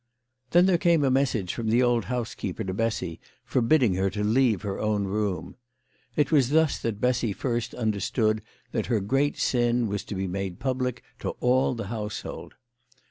Then there came a message from the old housekeeper to Bessy, forbidding her to leave her own room. It was thus that Bessy first understood that her great sin was to be made public to all the household.